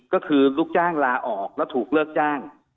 ก็คือลูกจ้างลาออกแล้วถูกเลิกจ้าง